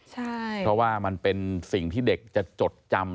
เพราะว่ามันเป็นสิ่งที่เด็กจะจดจำ